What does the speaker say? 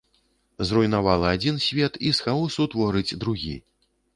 Зруйнавала адзін свет і з хаосу творыць другі.